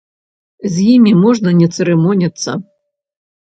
З імі можна не цырымоніцца.